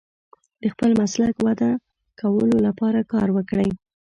د خپل مسلک وده کولو لپاره کار وکړئ.